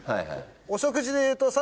お食事でいうと。